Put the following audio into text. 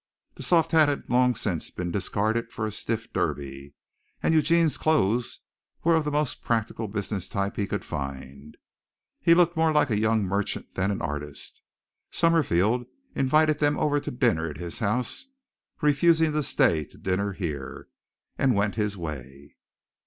The soft hat had long since been discarded for a stiff derby, and Eugene's clothes were of the most practical business type he could find. He looked more like a young merchant than an artist. Summerfield invited them over to dinner at his house, refusing to stay to dinner here, and went his way.